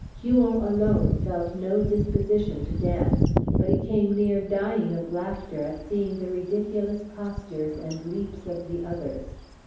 Huron alone felt no disposition to dance; but he came near dying of laughter at seeing the ridiculous postures and leaps of the others.